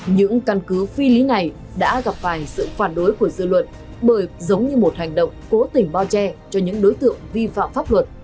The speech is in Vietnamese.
những căn cứ phi lý này đã gặp phải sự phản đối của dư luận bởi giống như một hành động cố tình bao che cho những đối tượng vi phạm pháp luật